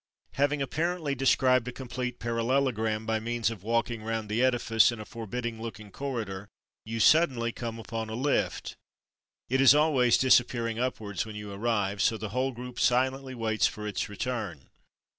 Having apparently described a complete parallelo gram by means of walking round the edifice in a forbidding looking corridor, you sud denly come upon a lift. It is always dis appearing upwards when you arrive, so the whole group silently wait for its return.